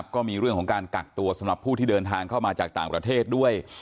ก็มีเรื่องของการกักตัวสำหรับผู้ที่เดินทางเข้ามาจากต่างประเทศด้วย